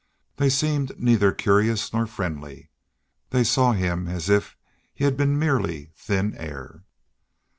They seemed neither curious nor friendly. They saw him as if he had been merely thin air.